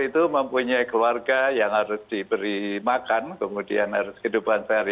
itu mempunyai keluarga yang harus diberi makan kemudian harus kehidupan sehari hari